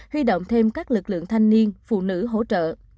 huy động thêm các lực lượng thanh niên phụ nữ hỗ trợ